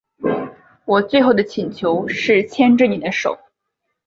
我最后的请求是牵着妳的手